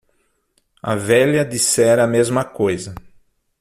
A velha dissera a mesma coisa.